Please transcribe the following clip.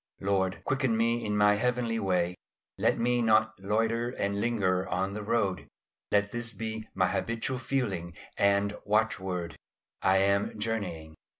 Lord, quicken me in my heavenly way; let me not loiter or linger on the road. Let this be my habitual feeling and watchword, "I am journeying."